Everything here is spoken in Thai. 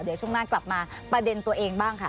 เดี๋ยวช่วงหน้ากลับมาประเด็นตัวเองบ้างค่ะ